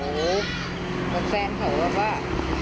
เหมือนแฟนเขาแบบว่า